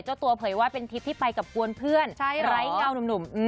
เจ้าตัวเผยว่าเป็นทริปที่ไปกับกวนเพื่อนไร้เงานุ่ม